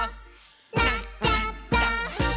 「なっちゃった！」